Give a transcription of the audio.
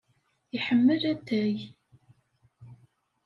Iḥemmel atay.